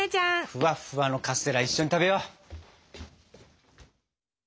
フワッフワのカステラ一緒に食べよう。